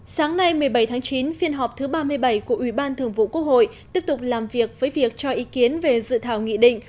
sáng nay một mươi bảy tháng chín phiên họp thứ ba mươi bảy của ủy ban thường vụ quốc hội tiếp tục làm việc với việc cho ý kiến về dự thảo nghị định